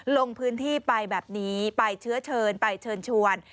ลงพื้นที่ไปแบบนี้ไปเชื้อเชิญไปเชิญชวน